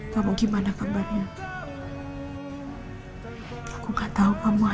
semakin berat buat aku mas